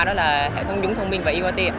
đó là hệ thống dũng thông minh và uat